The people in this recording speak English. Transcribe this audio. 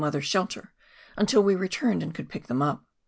other shelter, until we returned and could pick them up.